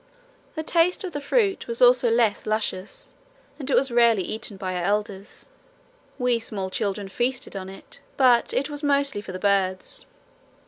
The taste of the fruit was also less luscious and it was rarely eaten by our elders. We small children feasted on it, but it was mostly for the birds.